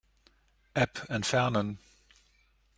App entfernen.